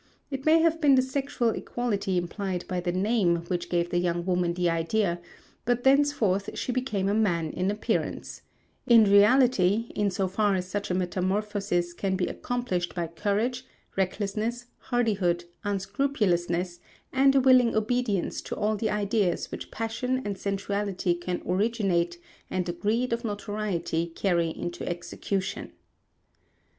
It may have been the sexual equality implied by the name which gave the young woman the idea, but thenceforth she became a man in appearance; in reality, in so far as such a metamorphosis can be accomplished by courage, recklessness, hardihood, unscrupulousness, and a willing obedience to all the ideas which passion and sensuality can originate and a greed of notoriety carry into execution.